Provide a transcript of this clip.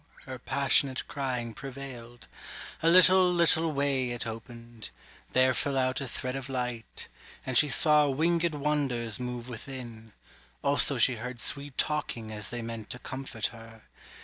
her passionate Crying prevailed. A little little way It opened: there fell out a thread of light, And she saw wingèd wonders move within; Also she heard sweet talking as they meant To comfort her.